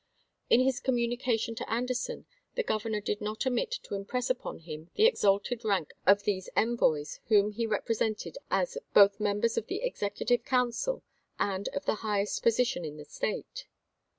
In his com munication to Anderson, the Governor did not omit to impress upon him the exalted rank of these envoys whom he represented as " both mem bers of the Executive Council and of the highest position in the State."